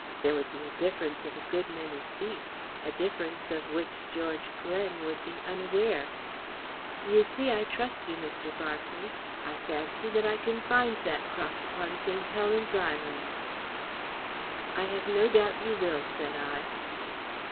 There would be a difference of a good many feet, a difference of which George Glen would be unaware. You see I trust you, Mr. Berkeley. I fancy that I can find that cross upon St. Helen's Island." "I have no doubt you will," said I.